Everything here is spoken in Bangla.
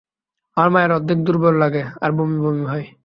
আমার মায়ের অনেক দুর্বল লাগে আর বমি বমি ভাব হয়।